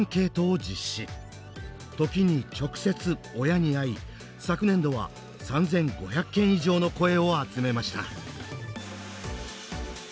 時に直接親に会い昨年度は３，５００件以上の声を集めました。